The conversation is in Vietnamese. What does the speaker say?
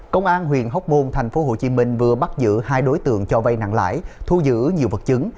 công an huyện hóc môn tp hcm vừa bắt giữ hai đối tượng cho vay nặng lãi thu giữ nhiều vật chứng